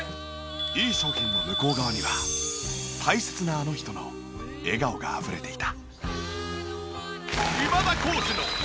いい商品の向こう側には大切なあの人の笑顔があふれていた。